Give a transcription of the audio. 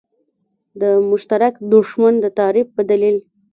د مشترک دښمن د تعریف په دلیل.